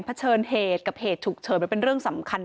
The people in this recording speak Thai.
ผัดเชิญเหตรกับเหตุถูกเชิญจะเป็นเรื่องสำคัญ